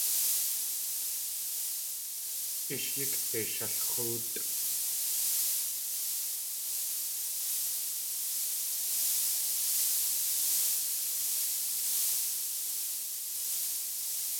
Ísh yíkde shalx̲óotʼ.